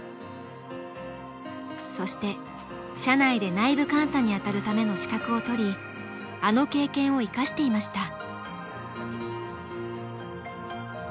そして社内で内部監査に当たるための資格を取りあの経験を生かしていました。